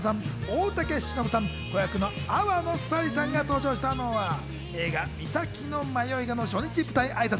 芦田愛菜さん、大竹しのぶさん、子役の粟野咲莉さんが登場したのは映画『岬のマヨイガ』の初日舞台挨拶。